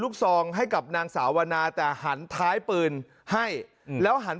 ซองให้กับนางสาวนาแต่หันท้ายปืนให้แล้วหัน